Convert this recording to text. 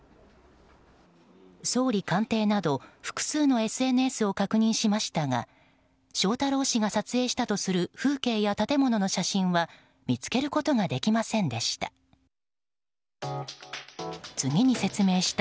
総理官邸など複数のＳＮＳを確認しましたが翔太郎氏が撮影したとする風景や建物の写真は見つけることができませんでした。